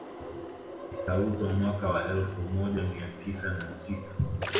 Ikauzwa mwaka wa elfu moja mia tisa na sita